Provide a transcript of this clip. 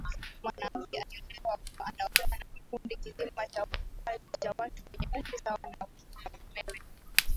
mwanamke akiolewa huwa anaolewa na kikundi kizima cha watu wenye umri sawa na mumewe